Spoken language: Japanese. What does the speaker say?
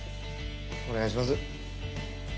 お願いします。